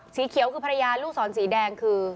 สีเขียวคือภรรยาลูกศรสีแดงคือ